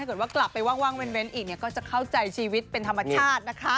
ว่ากลับไปว่างเว้นอีกเนี่ยก็จะเข้าใจชีวิตเป็นธรรมชาตินะคะ